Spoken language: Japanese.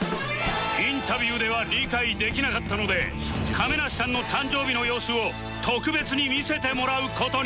インタビューでは理解できなかったので亀梨さんの誕生日の様子を特別に見せてもらう事に